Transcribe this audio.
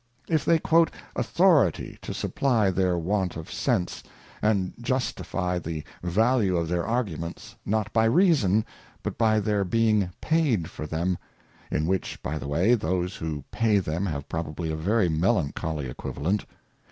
If they quote Authority to supply their want of sense, and justifie the value of their Arguments, not by reason, but by their being paid for them, (in which, by the way, those who pay them have probably a very melancholy Equivalent.)